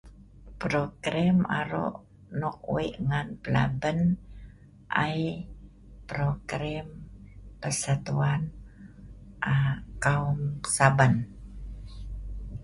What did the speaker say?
program aro' nok wei' ngan plaben ai, program persatuan um kaum Sa'ban